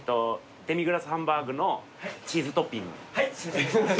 デミグラスハンバーグのチーズトッピング。